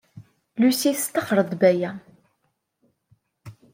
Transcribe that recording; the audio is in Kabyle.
Lucy testaxer-d Baya.